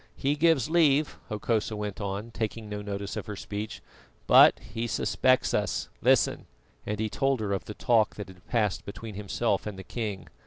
"He gives leave," Hokosa went on, taking no notice of her speech, "but he suspects us. Listen " and he told her of the talk that had passed between himself and the king.